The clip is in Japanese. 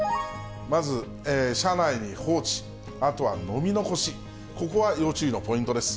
まず、車内に放置、あとは飲み残し、ここは要注意のポイントです。